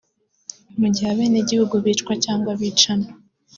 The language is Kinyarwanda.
mu gihe abenegihugu bicwa cyangwa bicana